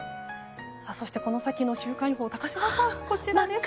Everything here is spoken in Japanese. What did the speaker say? そしてこの先の週間予報高島さん、こちらです。